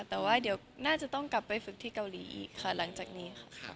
แต่ว่าเดี๋ยวน่าจะต้องกลับไปฝึกที่เกาหลีอีกค่ะหลังจากนี้ค่ะ